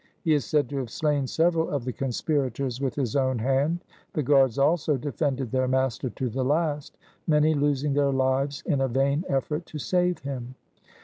He is said to have slain several of the conspirators with his own hand. The guards, also, defended their master to the last, many losing their hves in a vain effort to save him.